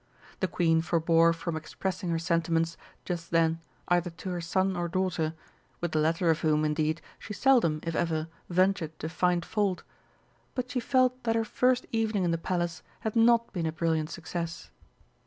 The Queen forbore from expressing her sentiments just then either to her son or daughter, with the latter of whom, indeed, she seldom, if ever, ventured to find fault. But she felt that her first evening in the Palace had not been a brilliant success.